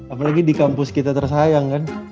apalagi di kampus kita tersayang kan